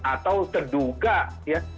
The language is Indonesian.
atau terduga ya